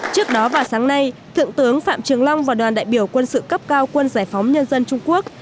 trước đó vào sáng nay thượng tướng phạm trường long và đoàn đại biểu quân sự cấp cao quân giải phóng nhân dân trung quốc